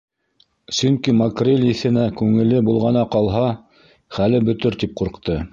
Сөнки макрель еҫенә күңеле болғана ҡалһа, хәле бөтөр тип ҡурҡты.